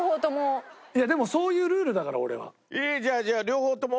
でもそういうルールだから俺は。